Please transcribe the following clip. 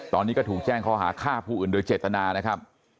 ตอนนี้ก็ถูกแจ้งข้อหาฆ่าผู้อื่นโดยเจตนานะครับ